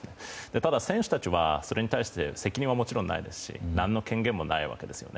ただ、選手たちはそれに対して責任はもちろんないですし何の権限もないわけですよね。